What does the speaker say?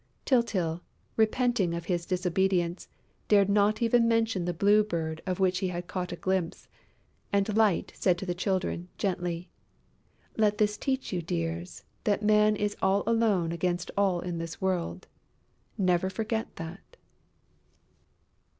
Tyltyl, repenting of his disobedience, dared not even mention the Blue Bird of which he had caught a glimpse; and Light said to the Children, gently: "Let this teach you, dears, that Man is all alone against all in this world. Never forget that."